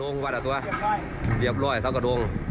นี่ครับ